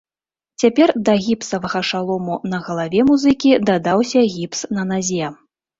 Цяпер да гіпсавага шалому на галаве музыкі дадаўся гіпс на назе.